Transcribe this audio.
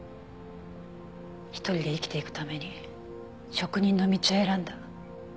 一人で生きていくために職人の道を選んだ。